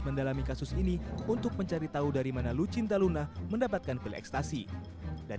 mendalami kasus ini untuk mencari tahu dari mana lucinta luna mendapatkan pil ekstasi dan